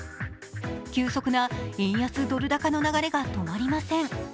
急速な円安ドル高の流れが止まりません。